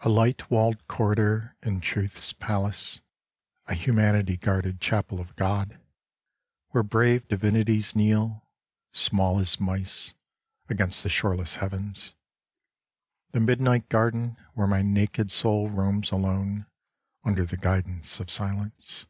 A light walled corridor in Truth's palace ; a humanity guard ed chapel of God, where brave divinities kneel, small as mice, against the shoreless heavens, — the midnight garden, where my naked soul roams alone, under the guidance of Silence.